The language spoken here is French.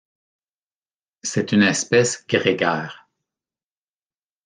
C'est une espèce grégaire.